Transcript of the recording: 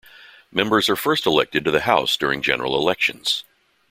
Members are first elected to the House during general elections.